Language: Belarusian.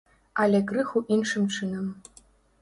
Але крыху іншым чынам.